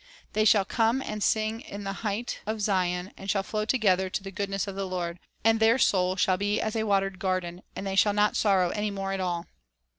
"'' "They shall come and sing in the height of Zion, and shall flow together to the goodness of the Lord; and their soul shall be as a watered garden ; and they shall not sorrow any more at all.""